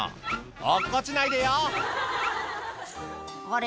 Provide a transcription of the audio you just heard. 落っこちないでよあれ？